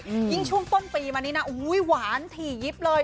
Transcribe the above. ยิ่งช่วงต้นปีมานี้นะโอ้โหหวานถี่ยิบเลย